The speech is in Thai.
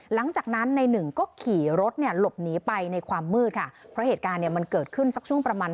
หลังจากนั้นในหนึ่งก็ขี่รถเนี่ยหลบหนีไปในความมืดค่ะเพราะเหตุการณ์เนี่ยมันเกิดขึ้นสักช่วงประมาณ